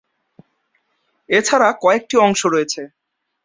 এছাড়া কয়েকটি অংশ রয়েছে।